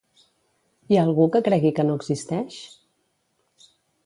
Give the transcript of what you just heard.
Hi ha algú que cregui que no existeix?